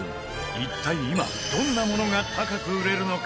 一体、今どんなものが高く売れるのか？